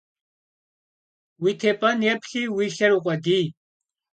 Уи тепӀэн йэплъи, уи лъэр укъуэдий.